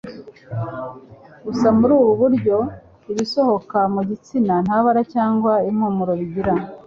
Gusa muri ubu buryo ibisohoka mu gitsina nta bara cg impumuro bigira.